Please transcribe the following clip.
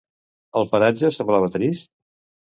El paratge semblava trist?